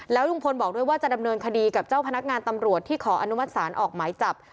ลุงพลบอกด้วยว่าจะดำเนินคดีกับเจ้าพนักงานตำรวจที่ขออนุมัติศาลออกหมายจับ